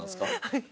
はい。